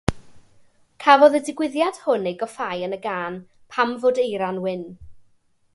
Cafodd y digwyddiad hwn ei goffáu yn ei gân, Pam fod Eira'n Wyn?